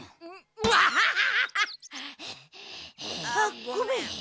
ぷは！あっごめん。